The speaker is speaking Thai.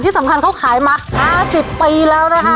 สำคัญเขาขายมา๕๐ปีแล้วนะคะ